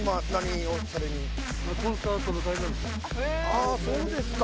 ああそうですか。